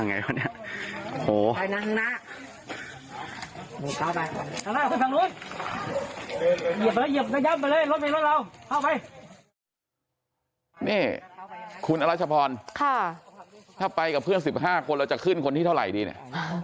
นี่คุณอรัชพรณ์ถ้าไปกับเพื่อน๑๕คนเราจะขึ้นคนที่เท่าไหร่ดีเนี่ยคุณอรัชพรณ์ถ้าไปกับเพื่อน๑๕คนเราจะขึ้นคนที่เท่าไหร่ดีเนี่ย